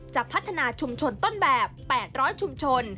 จะพัฒนาชุมชนต้นแบบ๘๐๐ชุมชน